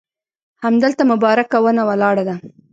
همدلته مبارکه ونه ولاړه ده.